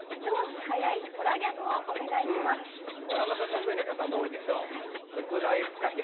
こりゃまた得意な方も多いでしょう。